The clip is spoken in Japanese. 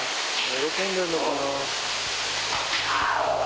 喜んでるのかな。